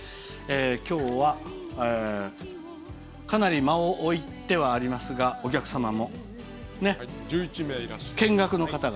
今日は、かなり間を置いてはありますがお客様も、見学の方が。